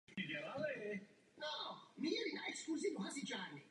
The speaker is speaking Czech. Pokud jde o politiku klimatu, jsme nyní na správné cestě.